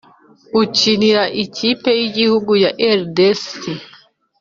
ukinira ikipe y’igihugu ya rdc,